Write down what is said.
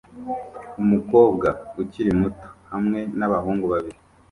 Umukobwa ukiri muto hamwe nabahungu babiri